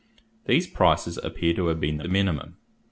These prices appear to have been the minimum.